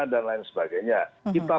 dan lain sebagainya kita